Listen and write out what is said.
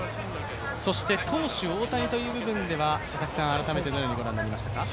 そして投手・大谷という部分では改めてどのようにご覧になりましたか？